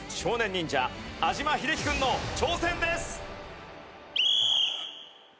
忍者安嶋秀生君の挑戦です。